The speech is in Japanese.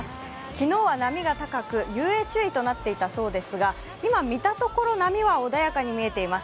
昨日は波が高く、遊泳注意となっていたそうですが、今、見たところ、波は穏やかに見えています。